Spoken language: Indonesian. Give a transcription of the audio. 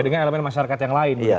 dengan elemen masyarakat yang lain gitu ya